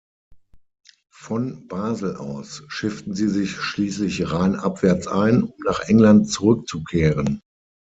Von Basel aus schifften sie sich schließlich rheinabwärts ein, um nach England zurückzukehren.